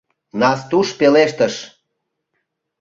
— Настуш пелештыш.